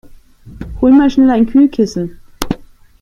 Hol mal schnell ein Kühlkissen!